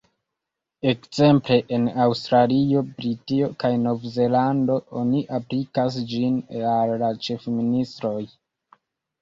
Ekzemple en Aŭstralio, Britio kaj Novzelando oni aplikas ĝin al la ĉefministroj.